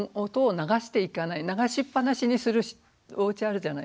流しっぱなしにするおうちあるじゃない。